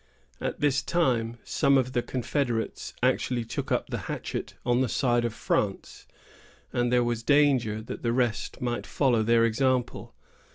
At this time, some of the confederates actually took up the hatchet on the side of France, and there was danger that the rest might follow their example.